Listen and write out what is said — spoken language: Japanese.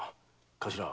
頭。